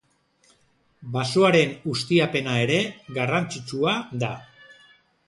Basoaren ustiapena ere garrantzitsua da.